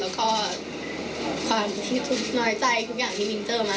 แล้วก็ความคิดน้อยใจทุกอย่างที่มินเจอร์มา